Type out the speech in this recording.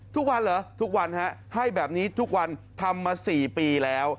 ทุกวันเหรอทุกวันฮะให้แบบนี้ทุกวันทำมา๔ปีแล้ว